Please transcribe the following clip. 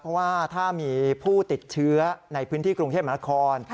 เพราะว่าถ้ามีผู้ติดเชื้อในพื้นที่กรุงเทพมหานคร